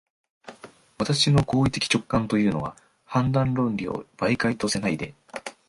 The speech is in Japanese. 私の行為的直観というのは、判断論理を媒介とせないで、